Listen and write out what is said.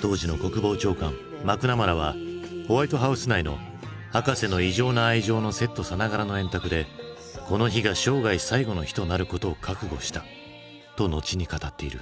当時の国防長官マクナマラはホワイトハウス内の「博士の異常な愛情」のセットさながらの円卓で「この日が生涯最後の日となることを覚悟した」と後に語っている。